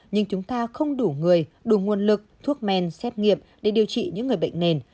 nhưng chúng ta không đủ người đủ nguồn lực thuốc men xét nghiệm để điều trị những người bệnh nền